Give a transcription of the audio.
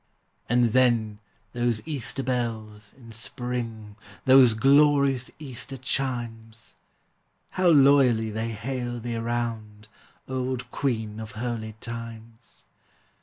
And then, those Easter bells, in spring, Those glorious Easter chimes! How loyally they hail thee round, Old Queen of holy times!